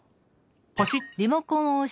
ポチッ！